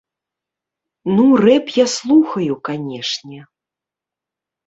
Ну, рэп я слухаю, канешне.